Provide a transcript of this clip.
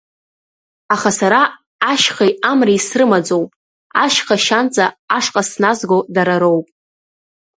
Аха сара ашьхеи амреи срымаӡоуп, ашьха шьанҵа ашҟа сназго дара роуп.